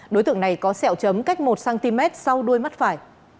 đối tượng này có sẹo chấm cách một cm sau đuôi mắt phải